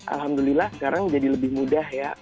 alhamdulillah sekarang jadi lebih mudah ya